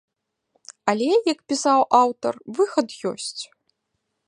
Але, як пісаў аўтар, выхад ёсць.